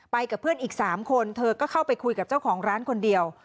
กับเพื่อนอีก๓คนเธอก็เข้าไปคุยกับเจ้าของร้านคนเดียว